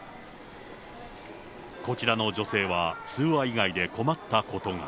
こちらの女性は通話以外で困ったことが。